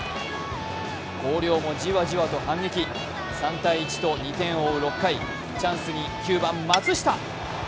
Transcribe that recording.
広陵もじわじわと反撃、３−１と２点を追う６回、チャンスに９番・松下。